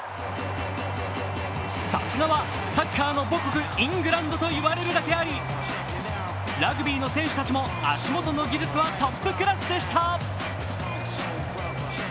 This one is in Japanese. さすがは、サッカーの母国イングランドと言われるだけありラグビーの選手たちも足元の技術はトップクラスでした。